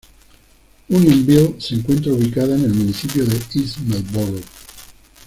Unionville se encuentra ubicada en el municipio de East Marlborough.